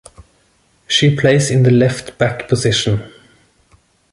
She plays in the left back position.